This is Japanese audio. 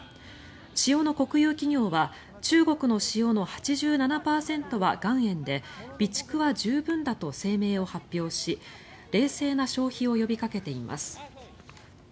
塩の国有企業は中国の塩の８７％は岩塩で備蓄は十分だと声明を発表し冷静な消費を呼びかけています。